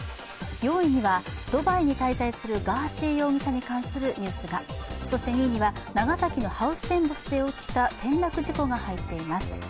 ４位にはドバイに滞在するガーシー容疑者に関するニュースが、そして２位には長崎のハウステンボスで起きた転落事故が入っています。